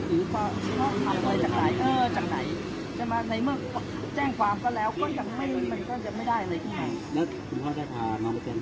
ตอนนี้กำหนังไปคุยของผู้สาวว่ามีคนละตบ